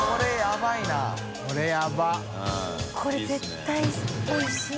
これ絶対おいしい！